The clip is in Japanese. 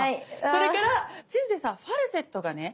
それから鎮西さんファルセットがね